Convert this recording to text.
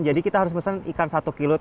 jadi kita harus pesan ikan satu kilo